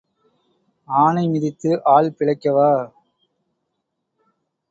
ஆனை மிதித்து ஆள் பிழைக்கவா?